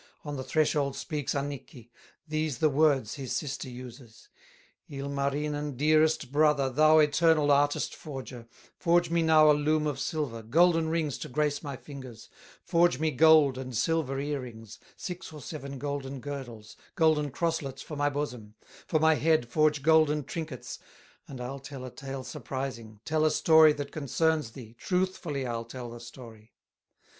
On the threshold speaks Annikki, These the words his sister uses: "Ilmarinen, dearest brother, Thou eternal artist forger, Forge me now a loom of silver, Golden rings to grace my fingers, Forge me gold and silver ear rings, Six or seven golden girdles, Golden crosslets for my bosom, For my head forge golden trinkets, And I'll tell a tale surprising, Tell a story that concerns thee Truthfully I'll tell the story."